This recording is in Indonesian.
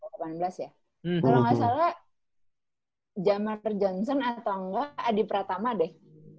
kalau gak salah jamar johnson atau gak adi pratama deh